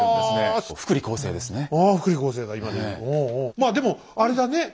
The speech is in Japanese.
まあでもあれだね